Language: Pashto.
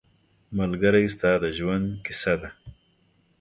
ملګری ستا د ژوند کیسه ده